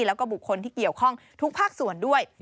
แล้วก็บุคคลที่เกี่ยวข้องทุกภาคส่วนด้วย